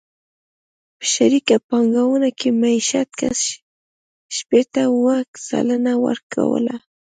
په شریکه پانګونه کې مېشت کس شپېته اووه سلنه ورکوله.